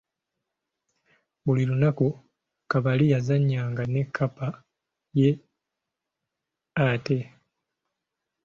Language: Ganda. Buli lunaku Kabali yazannya nga ne kkapa ye ate.